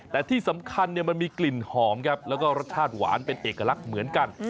แต่ที่สำคัญมันมีกลิ่นหอมครับแล้วก็รสชาติหวานเป็นเอกลักษณ์เหมือนกัน